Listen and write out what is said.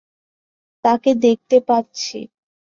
তাকে দেখতে পাচ্ছি।